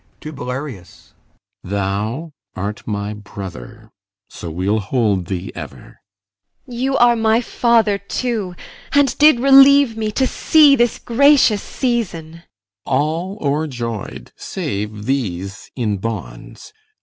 [To BELARIUS] Thou art my brother; so we'll hold thee ever. IMOGEN. You are my father too, and did relieve me To see this gracious season. CYMBELINE. All o'erjoy'd Save these in bonds.